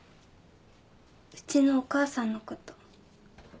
うちのお母さんのこと。